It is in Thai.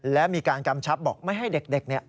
และมีการกำชับบอกไม่ให้เด็ก